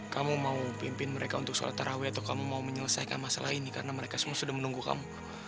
kamu mau pimpin mereka untuk sholat tarawih atau kamu mau menyelesaikan masalah ini karena mereka semua sudah menunggu kamu